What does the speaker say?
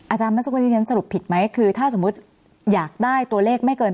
อาจารย์มันสมมติที่นั้นสรุปผิดไหมคือถ้าสมมติอยากได้ตัวเลขไม่เกิน